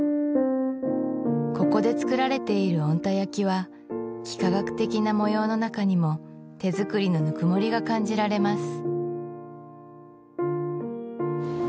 ここでつくられている小鹿田焼は幾何学的な模様の中にも手作りのぬくもりが感じられます